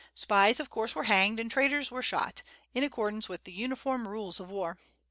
Spies of course were hanged, and traitors were shot, in accordance with the uniform rules of war.